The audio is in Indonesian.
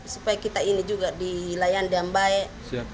supaya kita ini juga dilayani dengan baik